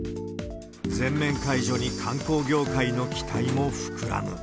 全面解除に観光業界の期待も膨らむ。